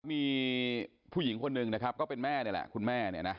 มีผู้หญิงคนหนึ่งนะครับก็เป็นแม่นี่แหละคุณแม่เนี่ยนะ